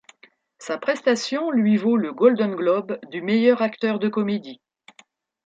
Sa prestation lui vaut le Golden Globe du meilleur acteur de comédie.